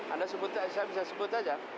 anda sebutnya saya bisa sebut saja